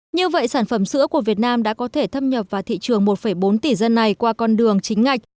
như vậy sản phẩm sữa của việt nam đã có thể thâm nhập vào thị trường một bốn tỷ dân này qua con đường chính ngạch